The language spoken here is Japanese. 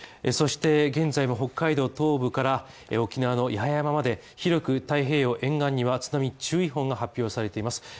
そして現在は北海道東部から沖縄の八重山で広く太平洋沿岸には津波注意報が発表されています。